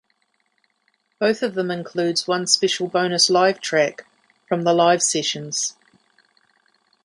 Both of them includes one special bonus live track from the live sessions.